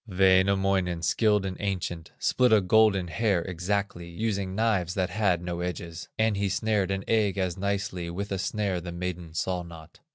Wainamoinen, skilled and ancient, Split a golden hair exactly, Using knives that had no edges; And he snared an egg as nicely With a snare the maiden saw not.